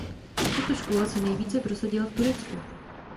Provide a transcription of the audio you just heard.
Tato škola se nejvíce prosadila v Turecku.